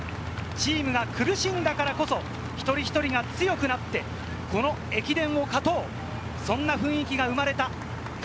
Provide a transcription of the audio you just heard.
チームが苦しんだからこそ一人一人が強くなって、この駅伝を勝とう、そんな雰囲気が生まれた。